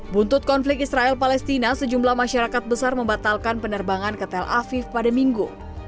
buntut konflik israel palestina sejumlah masyarakat besar membatalkan penerbangan ke tel aviv pada minggu